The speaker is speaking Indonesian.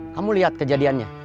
kamu lihat kejadiannya